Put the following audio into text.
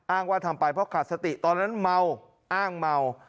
ว่าทำไปเพราะขาดสติตอนนั้นเมาอ้างเมา